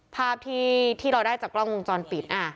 ภาพที่เราได้จากกล้องวงจรปิด